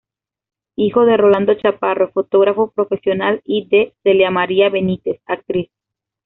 Hijo de Rolando Chaparro, fotógrafo profesional, y de Celia María Benítez, actriz.